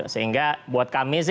sehingga buat kami sih